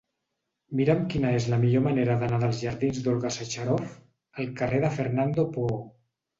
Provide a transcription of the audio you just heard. Mira'm quina és la millor manera d'anar dels jardins d'Olga Sacharoff al carrer de Fernando Poo.